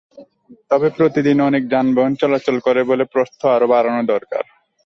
তবে প্রতিদিন অনেক যানবাহন চলাচল করে বলে প্রস্থ আরও বাড়ানো দরকার।